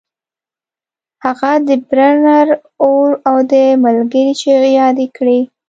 هغه د برنر اور او د ملګري چیغې یادې کړې